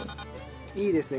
いいですね。